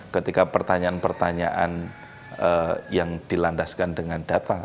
ketika pertanyaan pertanyaan yang dilandaskan dengan data